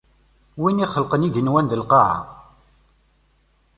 Win ixelqen igenwan d lqaɛa.